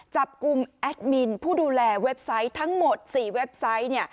จับกลุ่มแอดมินผู้ดูแลเว็บไซต์ทั้งหมด๔เว็บไซต์